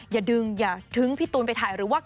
อย่าดึงอย่าถึงพี่ตูนไปถ่าย